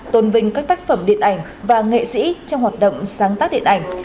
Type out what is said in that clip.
tôn vinh các tác phẩm điện ảnh và nghệ sĩ trong hoạt động sáng tác điện ảnh